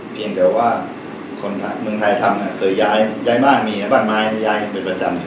เพียงแต่ว่าคนเมืองไทยทำเคยย้ายบ้านมีบ้านไม้ย้ายเป็นประจำ